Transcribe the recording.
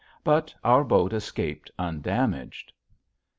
But our boat escaped undamaged.